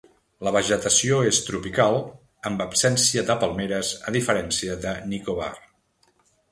La vegetació és tropical amb absència de palmeres a diferència de Nicobar.